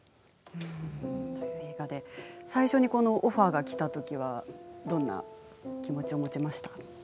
最初にこのオファーが来たときはどんな気持ちを持ちましたか？